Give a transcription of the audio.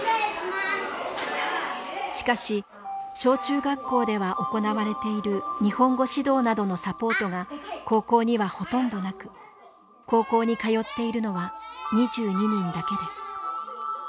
しかし小中学校では行われている日本語指導などのサポートが高校にはほとんどなく高校に通っているのは２２人だけです。